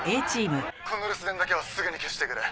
「この留守電だけはすぐに消してくれ」